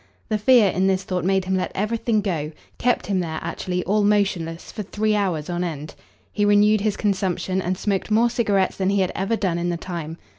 The fear in this thought made him let everything go, kept him there actually, all motionless, for three hours on end. He renewed his consumption and smoked more cigarettes than he had ever done in the time.